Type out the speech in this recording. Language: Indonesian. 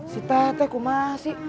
si tete kumah sih